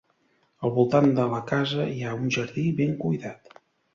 Al voltant de la casa hi ha un jardí ben cuidat.